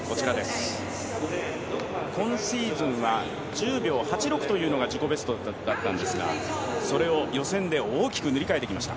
今シーズンは１０秒８６というのが自己ベストだったんですがそれを予選で大きく塗り替えてきました。